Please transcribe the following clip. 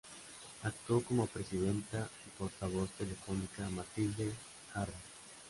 Actuó como presidenta y portavoz telefónica Matilde Jarrín.